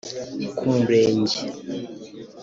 Ku murenge